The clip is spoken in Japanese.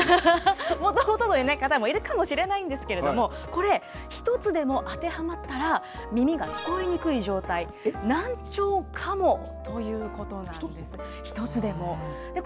もともとの方もいるかもしれないんですけれども、これ、１つでも当てはまったら、耳が聞こえにくい状態、難聴かも？ということな１つですか。